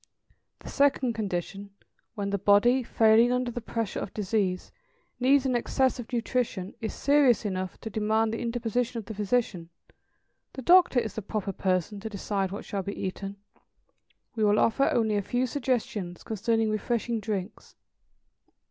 The second condition, when the body, failing under the pressure of disease, needs an excess of nutrition, is serious enough to demand the interposition of the physician the doctor is the proper person to decide what shall be eaten; we will offer only a few suggestions concerning refreshing drinks.